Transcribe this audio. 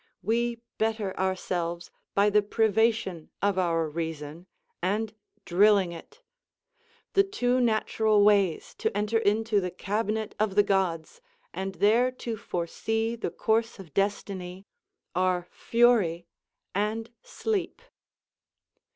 We better ourselves by the privation of our reason, and drilling it. The two natural ways to enter into the cabinet of the gods, and there to foresee the course of destiny, are fury and sleep.